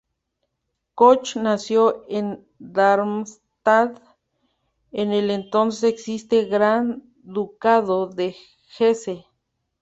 Koch nació en Darmstadt, en el entonces existente Gran Ducado de Hesse.